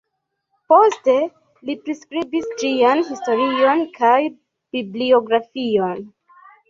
Poste li priskribis ĝian historion kaj bibliografion.